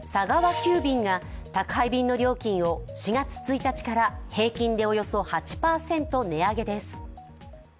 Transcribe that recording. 急便が、宅配便の料金を４月１日から平均でおよそ８％値上げです。